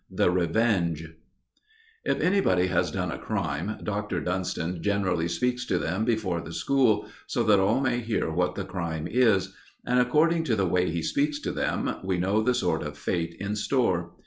THE REVENGE If anybody has done a crime, Dr. Dunston generally speaks to them before the school, so that all may hear what the crime is. And according to the way he speaks to them, we know the sort of fate in store.